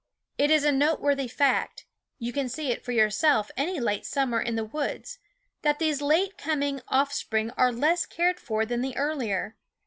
It is a noteworthy fact you can see it for yourself any late summer in the woods that these late coming off spring are less cared for than the earlier.